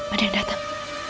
ada yang datang